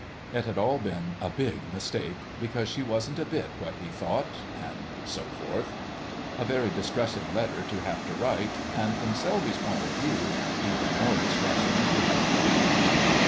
It had all been a Big Mistake, because she wasn't a bit what he thought, ... and so forth. A very distressing letter to have to write, and, from Selby's point of view, even more distressing to have to read.